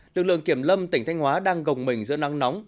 lực lượng kiểm lâm tỉnh thanh hóa đang gồng mình giữa nắng nóng